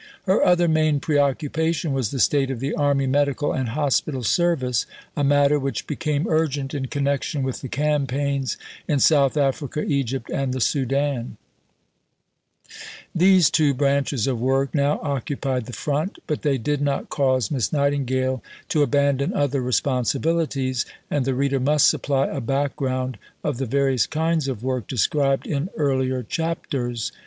Her other main preoccupation was the state of the Army Medical and Hospital service a matter which became urgent in connection with the campaigns in South Africa, Egypt, and the Soudan. Sir Harry, however, won the battle. These two branches of work now occupied the front; but they did not cause Miss Nightingale to abandon other responsibilities, and the reader must supply a background of the various kinds of work described in earlier chapters.